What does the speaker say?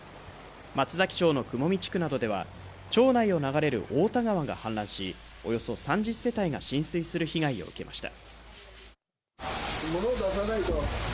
松崎町の雲見地区などでは町内を流れる太田川が氾濫しおよそ３０世帯が浸水する被害を受けました